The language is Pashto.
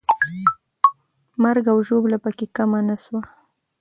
مرګ او ژوبله پکې کمه نه سوه.